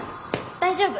大丈夫。